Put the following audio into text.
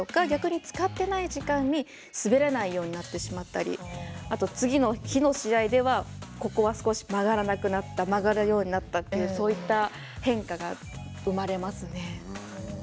逆に使っていない時間に滑らないようになってしまったり次の日の試合ではここが少し曲がらなくなった曲がるようになったというそういった変化が生まれますね。